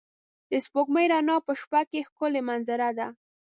د سپوږمۍ رڼا په شپه کې ښکلی منظره ده.